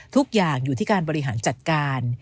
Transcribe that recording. ทุกอย่างอยู่ที่การบริหารจัดการ